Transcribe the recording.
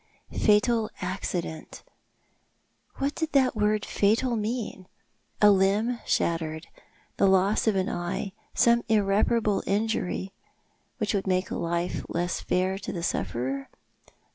Fatal accident ! What did that word fatal mean ? A limb shattered — the loss of an eye — some irreparable injury, which would make life less fair to the sufferer?